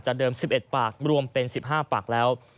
เดิม๑๑ปากรวมเป็น๑๕ปากแล้ว